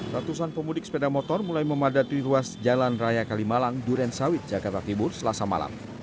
ratusan pemudik sepeda motor mulai memadati ruas jalan raya kalimalang durensawit jakarta timur selasa malam